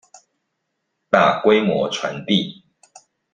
大規模傳遞